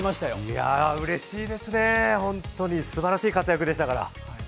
いや、うれしいですね、ホントにすばらしい活躍でしたから。